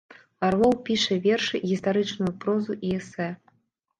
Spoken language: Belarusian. Арлоў піша вершы, гістарычную прозу і эсэ.